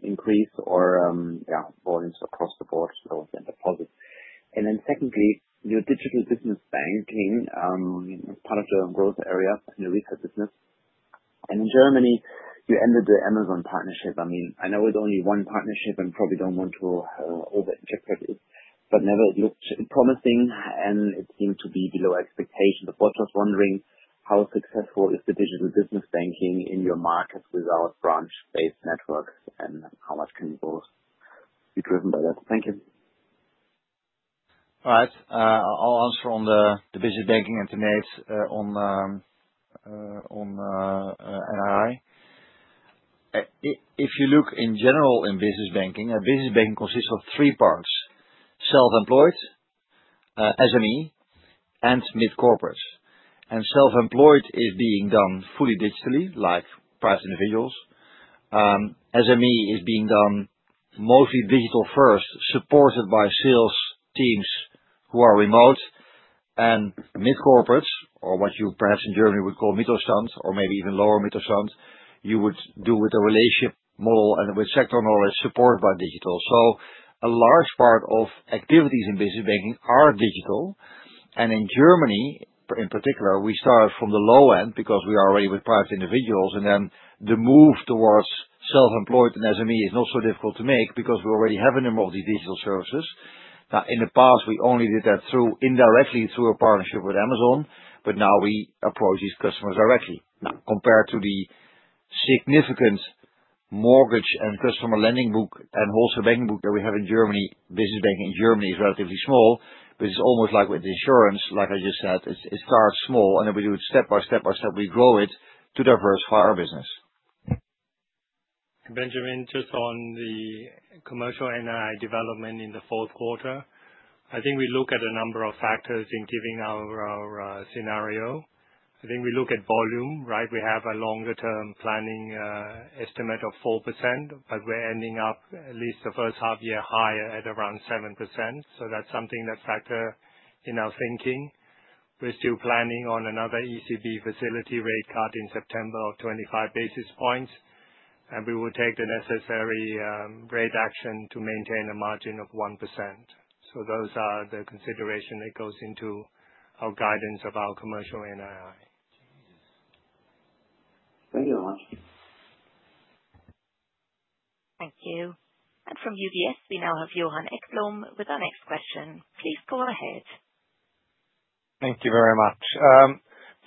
increase, or, yeah, volumes across the board? Again, the positive. Secondly, your digital business banking is part of the growth area in the retail business. In Germany, you ended the Amazon partnership. I know it's only one partnership and probably don't want to over-inject it, but it never looked promising, and it seemed to be below expectations. Just wondering how successful is the digital business banking in your market without branch-based networks, and how much can you both be driven by that? Thank you. All right. I'll answer on the business banking and Tinek on NRI. If you look in general in business banking, business banking consists of three parts: self-employed, SME, and mid-corporates. Self-employed is being done fully digitally, like private individuals. SME is being done mostly digital-first, supported by sales teams who are remote. Mid-corporates, or what you perhaps in Germany would call Mittelstand, or maybe even lower Mittelstand, you would do with a relationship model and with sector knowledge supported by digital. A large part of activities in business banking are digital. In Germany, in particular, we start from the low end because we are already with private individuals. The move towards self-employed and SME is not so difficult to make because we already have a number of these digital services. In the past, we only did that indirectly through a partnership with Amazon, but now we approach these customers directly. Compared to the significant mortgage and customer lending book and wholesale banking book that we have in Germany, business banking in Germany is relatively small, but it's almost like with insurance, like I just said, it starts small, and then we do it step by step by step. We grow it to diversify our business. Benjamin, just on the commercial net interest income development in the fourth quarter, I think we look at a number of factors in giving our scenario. I think we look at volume, right? We have a longer-term planning estimate of 4%, but we're ending up at least the first half year higher at around 7%. That's something that factors in our thinking. We're still planning on another ECB facility rate cut in September of 25 bps, and we will take the necessary rate action to maintain a margin of 1%. Those are the considerations that go into our guidance of our commercial net interest income. Thank you very much. Thank you. From UBS, we now have Johan Ekblom with our next question. Please go ahead. Thank you very much.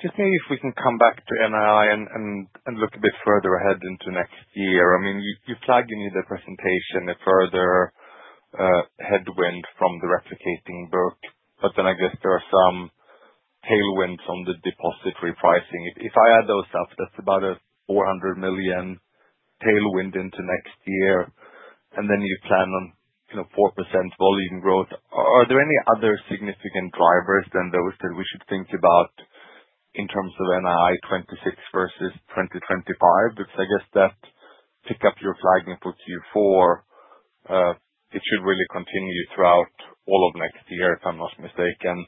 Maybe if we can come back to NRI and look a bit further ahead into next year. You flagged in the presentation a further headwind from the replicating book, but then I guess there are some tailwinds on the deposit repricing. If I add those up, that's about a 400 million tailwind into next year, and then you plan on 4% volume growth. Are there any other significant drivers than those that we should think about in terms of NRI 2026 versus 2025? I guess that pickup you're flagging for Q4 should really continue throughout all of next year, if I'm not mistaken.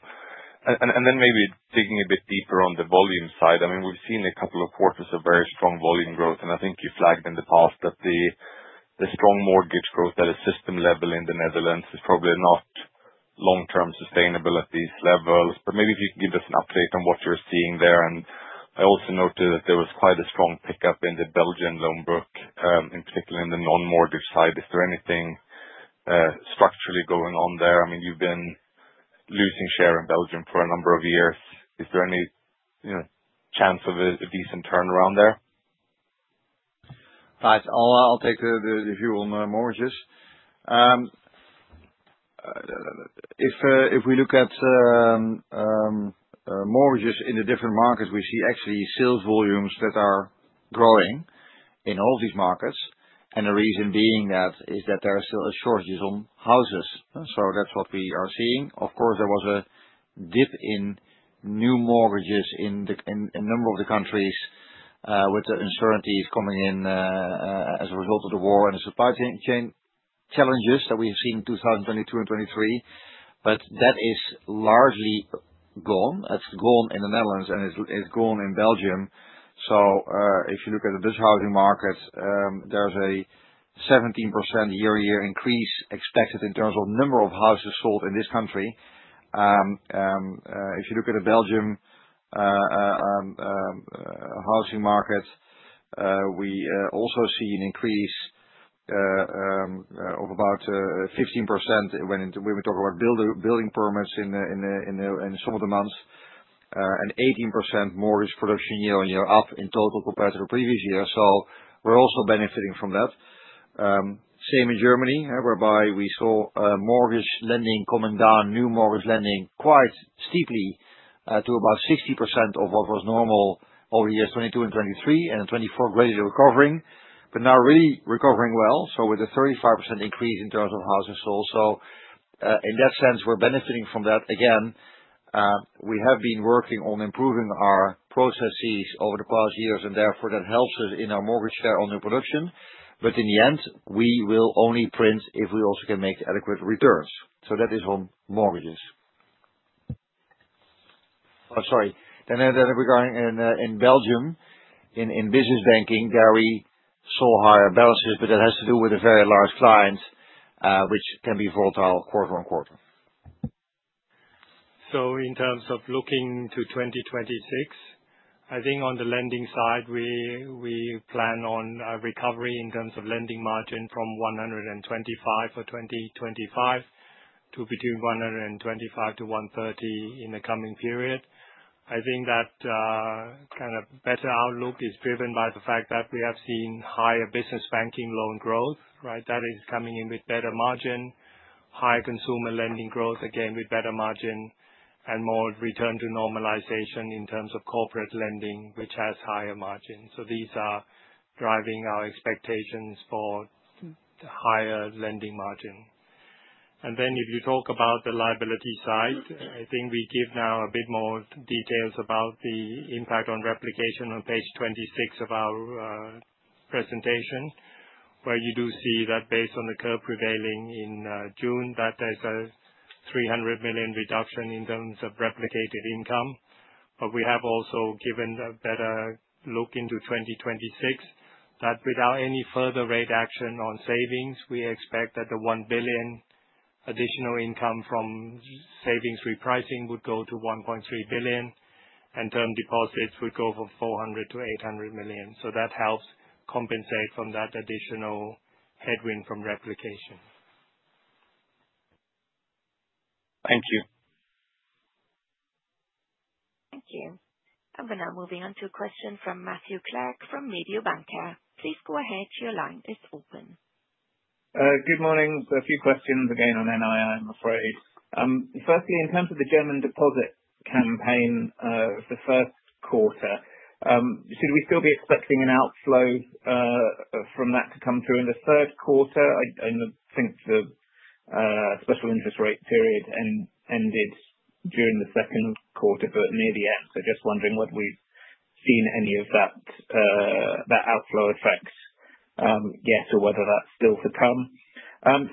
Maybe digging a bit deeper on the volume side, we've seen a couple of quarters of very strong volume growth, and I think you flagged in the past that the strong mortgage growth at a system level in the Netherlands is probably not long-term sustainable at these levels. Maybe if you could give us an update on what you're seeing there. I also noted that there was quite a strong pickup in the Belgian loan book, in particular in the non-mortgage side. Is there anything structurally going on there? You've been losing share in Belgium for a number of years. Is there any chance of a decent turnaround there? Right. I'll take the fuel on mortgages. If we look at mortgages in the different markets, we see actually sales volumes that are growing in all of these markets. The reason being that is that there are still shortages on houses. That's what we are seeing. Of course, there was a dip in new mortgages in a number of the countries with the uncertainties coming in as a result of the war and the supply chain challenges that we have seen in 2022 and 2023. That is largely gone. It's gone in the Netherlands, and it's gone in Belgium. If you look at the Dutch housing market, there's a 17% year-to-year increase expected in terms of number of houses sold in this country. If you look at the Belgium housing market, we also see an increase of about 15% when we talk about building permits in some of the months, and 18% mortgage production year on year up in total compared to the previous year. We're also benefiting from that. Same in Germany, whereby we saw mortgage lending coming down, new mortgage lending quite steeply to about 60% of what was normal over the years 2022 and 2023, and in 2024, gradually recovering, but now really recovering well with a 35% increase in terms of houses sold. In that sense, we're benefiting from that. We have been working on improving our processes over the past years, and therefore that helps us in our mortgage share on new production. In the end, we will only print if we also can make adequate returns. That is on mortgages. Oh, sorry. Regarding in Belgium, in business banking, there we saw higher balances, but that has to do with a very large client, which can be volatile quarter on quarter. In terms of looking to 2026, I think on the lending side, we plan on a recovery in terms of lending margin from 125 for 2025 to between 125-30 in the coming period. That kind of better outlook is driven by the fact that we have seen higher business banking loan growth, right? That is coming in with better margin, higher consumer lending growth, again with better margin, and more return to normalization in terms of corporate lending, which has higher margins. These are driving our expectations for higher lending margin. If you talk about the liability side, I think we give now a bit more details about the impact on replication on page 26 of our presentation, where you do see that based on the curve prevailing in June, there's a 300 million reduction in terms of replicated income. We have also given a better look into 2026 that without any further rate action on savings, we expect that the $1 billion additional income from savings repricing would go to 1.3 billion, and term deposits would go from 400 million-800 million. That helps compensate for that additional headwind from replication. Thank you. Thank you. We're now moving on to a question from Matthew Clark from Mediobanca. Please go ahead. Your line is open. Good morning. A few questions again on NRI, I'm afraid. Firstly, in terms of the German deposit campaign, for the first quarter, should we still be expecting an outflow from that to come through in the third quarter? I think the special interest rate period ended during the second quarter, but near the end. Just wondering whether we've seen any of that outflow effect yet, or whether that's still to come.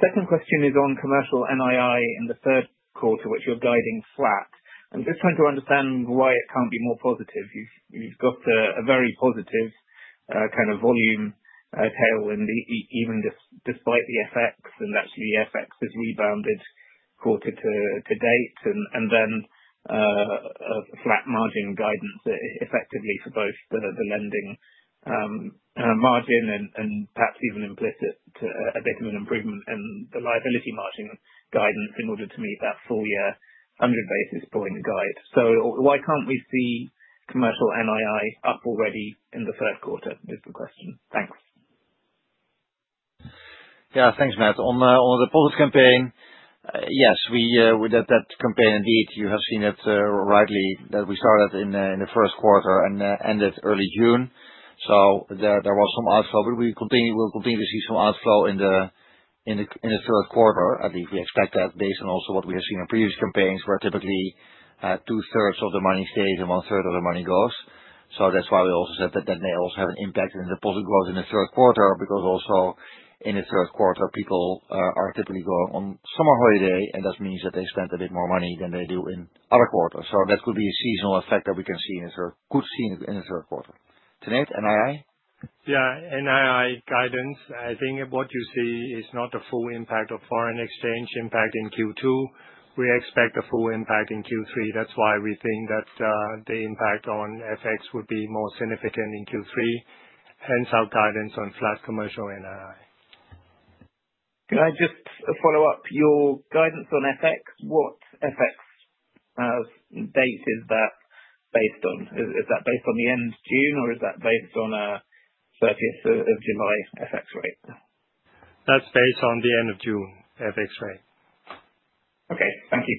Second question is on commercial NRI in the third quarter, which you're guiding flat. I'm just trying to understand why it can't be more positive. You've got a very positive kind of volume tail even despite the FX, and actually the FX has rebounded quarter to date. A flat margin guidance effectively for both the lending margin and perhaps even implicit a bit of an improvement in the liability margin guidance in order to meet that full year 100 bps guide. Why can't we see commercial NRI up already in the third quarter? Just the question. Thanks. Yeah. Thanks, Matt. On the deposit campaign, yes, we did that campaign indeed. You have seen it rightly that we started in the first quarter and ended early June. There was some outflow, but we will continue to see some outflow in the third quarter. At least we expect that based on also what we have seen in previous campaigns, where typically two-thirds of the money stays and one-third of the money goes. That's why we also said that that may also have an impact in deposit growth in the third quarter, because also in the third quarter, people are typically going on summer holiday, and that means that they spend a bit more money than they do in other quarters. That could be a seasonal effect that we can see in the third, could see in the third quarter. Tinek, NRI? Yeah. NRI guidance, I think what you see is not the full impact of foreign exchange impact in Q2. We expect a full impact in Q3. That's why we think that the impact on FX would be more significant in Q3. Hence our guidance on flat commercial NII. Can I just follow up? Your guidance on FX, what FX date is that based on? Is that based on the end of June, or is that based on a 30th of July FX rate? That's based on the end of June FX rate. Okay, thank you.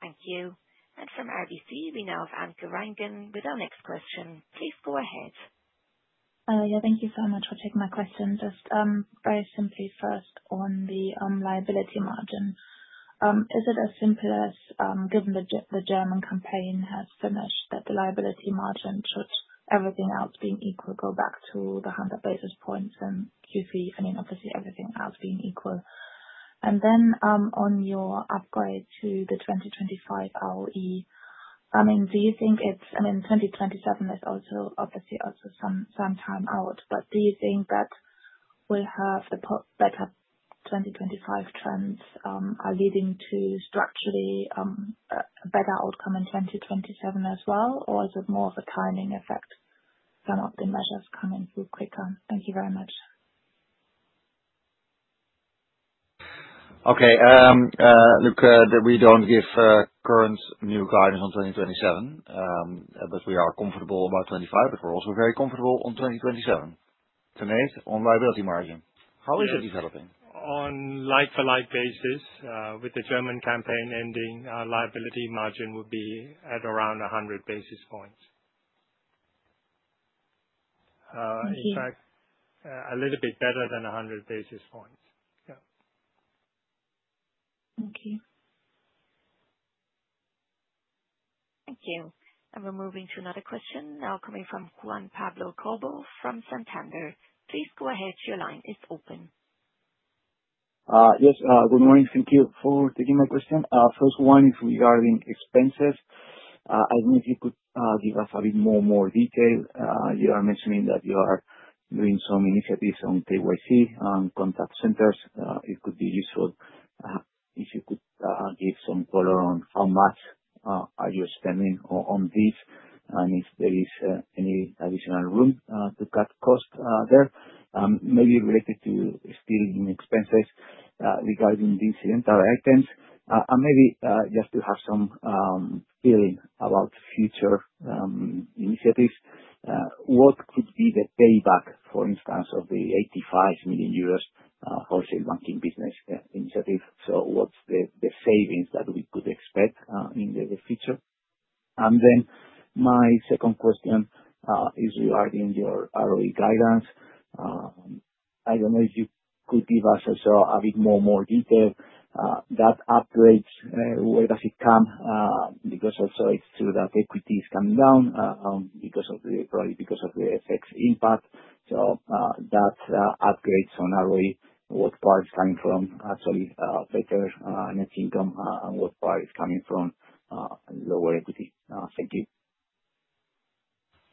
Thank you. From RBC Capital Markets, we now have Anke Reingen with our next question. Please go ahead. Thank you so much for taking my question. Just very simply, first on the liability margin. Is it as simple as, given the German campaign has finished, that the liability margin should, everything else being equal, go back to the 100 basis points in Q3? I mean, obviously, everything else being equal. On your upgrade to the 2025 ROE, do you think it's, I mean, 2027 is also obviously also some time out, but do you think that the better 2025 trends are leading to structurally better outcome in 2027 as well, or is it more of a timing effect? Some of the measures come in through quicker. Thank you very much. Okay. Look, we don't give current new guidance on 2027. We're comfortable about 2025, but we're also very comfortable on 2027. Tinek, on liability margin, how is it developing? On a like-for-like basis, with the German campaign ending, our liability margin would be at around 100 basis points, in fact, a little bit better than 100 basis points. Yeah. Thank you. Thank you. We're moving to another question now coming from Juan Pablo Cobble from Santander. Please go ahead. Your line is open. Yes. Good morning. Thank you for taking my question. First one is regarding expenses. I think if you could give us a bit more detail, you are mentioning that you are doing some initiatives on KYC and contact centers. It could be useful if you could give some color on how much are you spending on this, and if there is any additional room to cut costs there, maybe related to still in expenses regarding the incidental items, and maybe just to have some feeling about future initiatives. What could be the payback, for instance, of the GBP 85 million wholesale banking business initiative? What's the savings that we could expect in the future? My second question is regarding your ROE guidance. I don't know if you could give us also a bit more detail. That upgrade, where does it come? Because also it's true that equity is coming down, probably because of the FX impact. That upgrade on ROE, what part is coming from actually better net income, and what part is coming from lower equity. Thank you.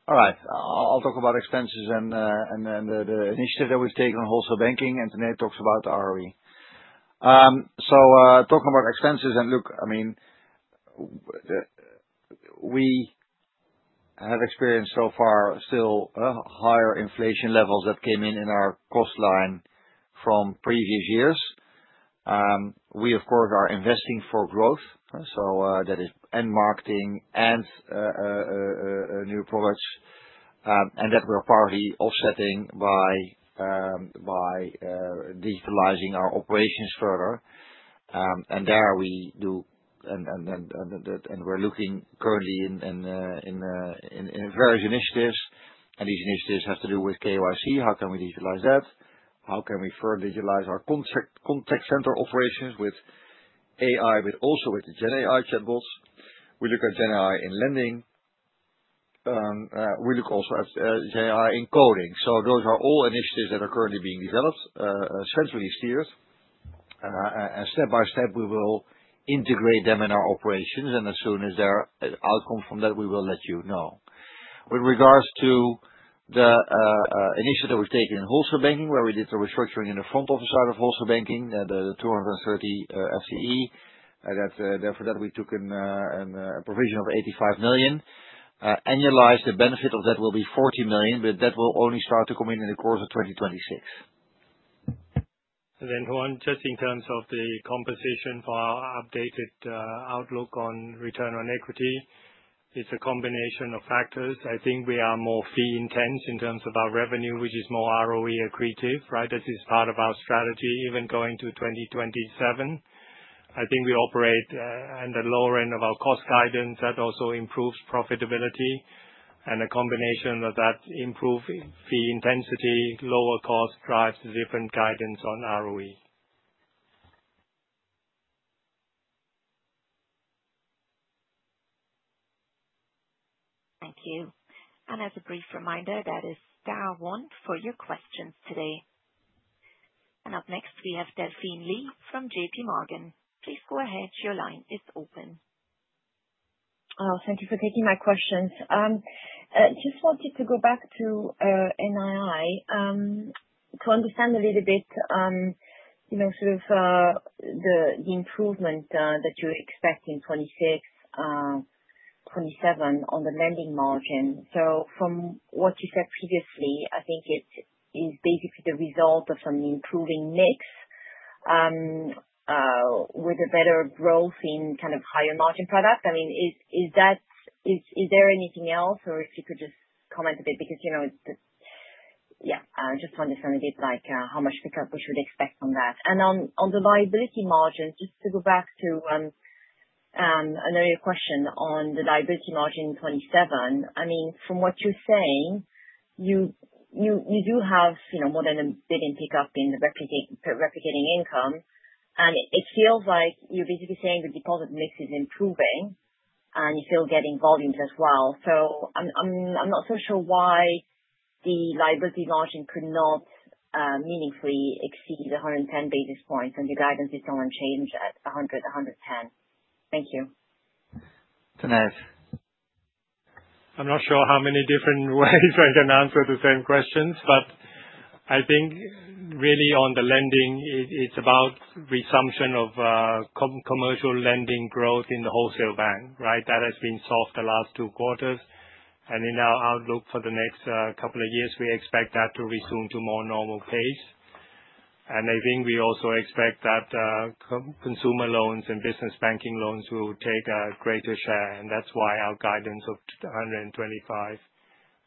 All right. I'll talk about expenses and the initiative that we've taken on wholesale banking, and Tanate talks about ROE. Talking about expenses, we have experienced so far still higher inflation levels that came in in our cost line from previous years. We, of course, are investing for growth. That is in marketing and new products, and that we're partly offsetting by digitalizing our operations further. We're looking currently at various initiatives. These initiatives have to do with KYC. How can we digitalize that? How can we further digitalize our contact center operations with AI, but also with the GenAI chatbots? We look at GenAI in lending. We look also at GenAI in coding. Those are all initiatives that are currently being developed, centrally steered, and step by step, we will integrate them in our operations. As soon as there are outcomes from that, we will let you know. With regards to the initiative we've taken in wholesale banking, where we did the restructuring in the front office side of wholesale banking, the 230 FTE, for that we took a provision of €85 million. Annualized, the benefit of that will be 40 million, but that will only start to come in in the course of 2026. Juan, just in terms of the composition for our updated outlook on return on equity, it's a combination of factors. I think we are more fee-intense in terms of our revenue, which is more ROE accretive, right? This is part of our strategy, even going to 2027. I think we operate at the lower end of our cost guidance. That also improves profitability. A combination of that improved fee intensity and lower cost drives the different guidance on ROE. Thank you. As a brief reminder, that is Star 1 for your questions today. Up next, we have Delphine Lee from JPMorgan. Please go ahead. Your line is open. Thank you for taking my questions. Just wanted to go back to NRI to understand a little bit the improvement that you expect in 2026, 2027 on the lending margin. From what you said previously, I think it is basically the result of some improving mix with a better growth in kind of higher margin products. Is there anything else, or if you could just comment a bit? Just to understand a bit like how much pickup we should expect on that. On the liability margin, just to go back to an earlier question on the liability margin in 2027, from what you're saying, you do have more than 1 billion pickup in the replicating income. It feels like you're basically saying the deposit mix is improving, and you're still getting volumes as well. I'm not so sure why the liability margin could not meaningfully exceed 110 basis points, and the guidance is still unchanged at 100, 110. Thank you. Tanate. I'm not sure how many different ways I can answer the same questions, but I think really on the lending, it's about resumption of commercial lending growth in the wholesale bank, right? That has been soft the last two quarters. In our outlook for the next couple of years, we expect that to resume to a more normal pace. I think we also expect that consumer loans and business banking loans will take a greater share. That's why our guidance of 125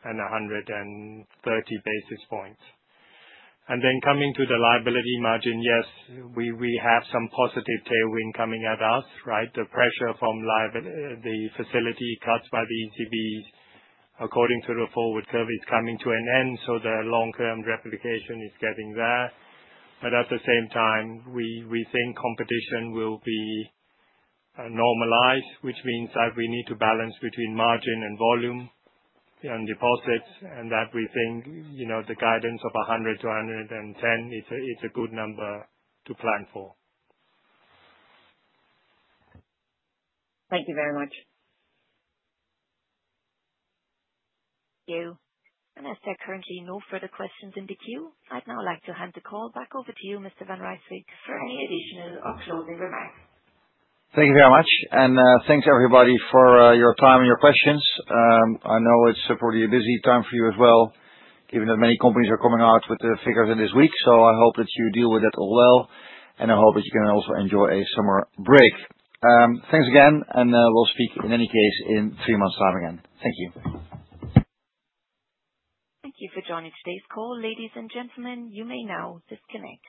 and 130 basis points. Coming to the liability margin, yes, we have some positive tailwind coming at us, right? The pressure from the facility cuts by the ECBs, according to the forward curve, is coming to an end. The long-term replication is getting there. At the same time, we think competition will be normalized, which means that we need to balance between margin and volume and deposits, and we think the guidance of 100-110, it's a good number to plan for. Thank you very much. Thank you. As there are currently no further questions in the queue, I'd now like to hand the call back over to you, Mr. van Rijswijk, for any additional or closing remarks. Thank you very much. Thanks, everybody, for your time and your questions. I know it's a pretty busy time for you as well, given that many companies are coming out with the figures this week. I hope that you deal with that all well, and I hope that you can also enjoy a summer break. Thanks again, and we'll speak in any case in three months' time again. Thank you. Thank you for joining today's call. Ladies and gentlemen, you may now disconnect.